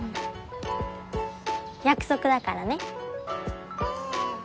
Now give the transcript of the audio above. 約束だからね。